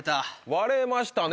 割れましたね